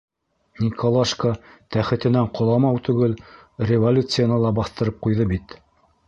— Николашка тәхетенән ҡоламау түгел, революцияны ла баҫтырып ҡуйҙы бит.